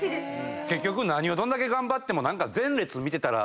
結局何をどんだけ頑張っても前列見てたら。